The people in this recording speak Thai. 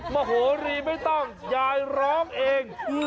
โมโหรีไม่ต้องยายร้องเอง